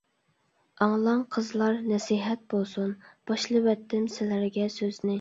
ئاڭلاڭ قىزلار نەسىھەت بولسۇن، باشلىۋەتتىم سىلەرگە سۆزنى.